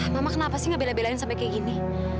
mama kenapa sih gak bela belain sampai kayak gini